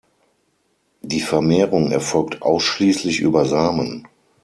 Die Vermehrung erfolgt ausschließlich über Samen.